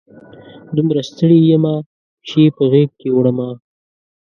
دومره ستړي یمه، پښې په غیږ کې وړمه